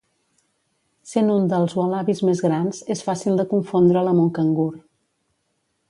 Sent un dels ualabis més grans, és fàcil de confondre'l amb un cangur.